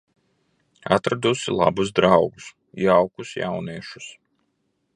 Atradusi labus draugus, jaukus jauniešus.